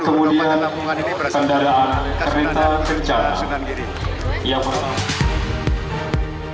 kemudian kendaraan kereta kerjaan